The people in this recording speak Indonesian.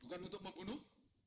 bukan untuk membunuh